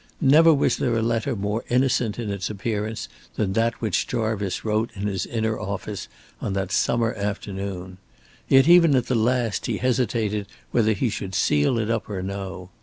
Never was there a letter more innocent in its appearance than that which Jarvice wrote in his inner office on that summer afternoon. Yet even at the last he hesitated whether he should seal it up or no.